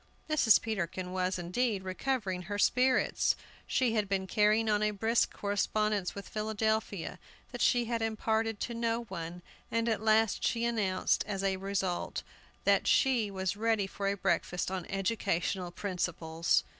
Mrs. Peterkin was, indeed, recovering her spirits. She had been carrying on a brisk correspondence with Philadelphia, that she had imparted to no one, and at last she announced, as its result, that she was ready for a breakfast on educational principles.